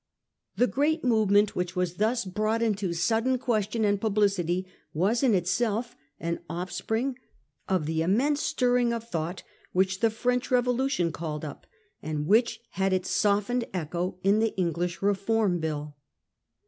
The great movement which was thus brought into sudden question and publicity was in itself an offspring of the immense stirring of thought which the French Revolution called up, and which had its softened echo in the English Reform Bill.